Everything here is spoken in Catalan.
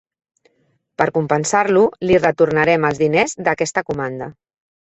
Per compensar-lo li retornarem els diners d'aquesta comanda.